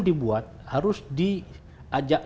dibuat harus diajak